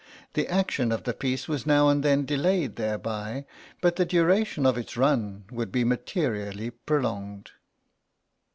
The action of the piece was now and then delayed thereby, but the duration of its run would be materially prolonged.